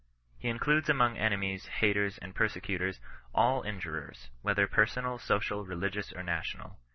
Ho includes among enemies, haters and persecutors, all injurers, whether personal, social, religious, or national.